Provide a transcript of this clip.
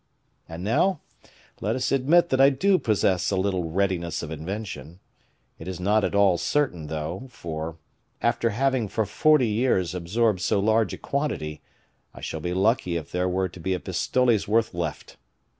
And now, let us admit that I do possess a little readiness of invention; it is not at all certain, though, for, after having for forty years absorbed so large a quantity, I shall be lucky if there were to be a pistole's worth left."